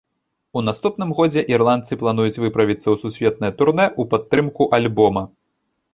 У наступным годзе ірландцы плануюць выправіцца ў сусветнае турнэ ў падтрымку альбома.